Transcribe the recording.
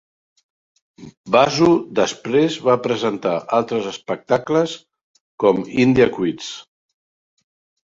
Basu després va presentar altres espectacles, com "India Quiz"